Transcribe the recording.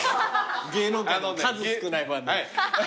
芸能界の数少ないファン。